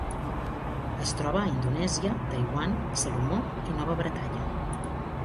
Es troba a Indonèsia, Taiwan, Salomó i Nova Bretanya.